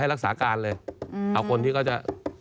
รักษาการเลยเอาคนที่เขาจะ